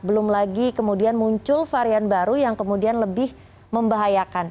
belum lagi kemudian muncul varian baru yang kemudian lebih membahayakan